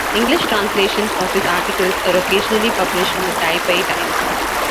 English translations of his articles are occasionally published in the "Taipei Times".